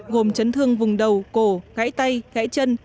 gồm chấn thương vùng đầu cổ gãy tay chân